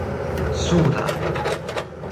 surda